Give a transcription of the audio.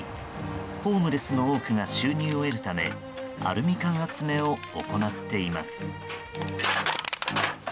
ホームレスの多くが収入を得るためアルミ缶集めを行っています。